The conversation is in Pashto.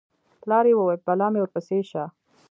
پلار یې وویل: بلا مې ورپسې شه